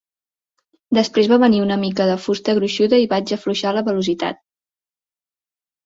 Després va venir una mica de fusta gruixuda i vaig afluixar la velocitat.